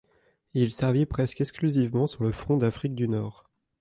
Il servit presque exclusivement sur le front d'Afrique du Nord.